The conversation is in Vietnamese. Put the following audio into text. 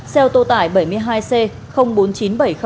xe ô tô tải bảy mươi hai c bốn nghìn chín trăm bảy mươi